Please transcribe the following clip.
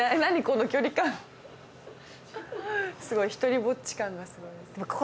すごい独りぼっち感がすごいです。